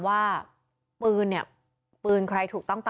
ไม่มีของ